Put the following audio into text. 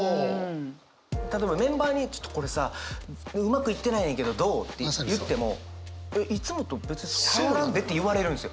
例えばメンバーに「ちょっとこれさうまくいってないんやけどどう？」って言っても「えっいつもと別に変わらんで」って言われるんですよ。